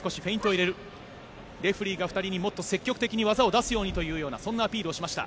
レフェリーが２人にもっと積極的に技を出すようにというアピールをしました。